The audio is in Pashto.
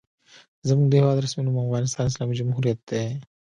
زموږ د هېواد رسمي نوم افغانستان اسلامي جمهوریت دی.